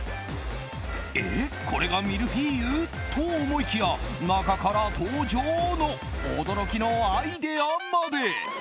えっ、これがミルフィーユ？と思いきや中から登場の驚きのアイデアまで。